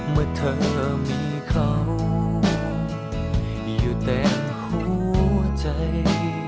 เมื่อเธอมีเขามีอยู่แต่หัวใจ